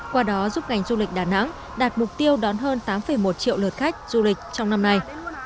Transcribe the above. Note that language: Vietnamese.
qua đó giúp ngành du lịch đà nẵng đạt mục tiêu đón hơn tám một triệu lượt khách du lịch trong năm nay